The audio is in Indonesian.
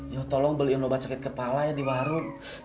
yo tolong beliin lo bacakin kepala ya di warung